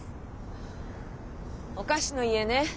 「お菓子の家」ね。